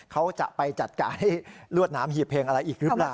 เขาจะไปจัดการให้ลวดน้ำหีบเพลงอะไรอีกหรือเปล่า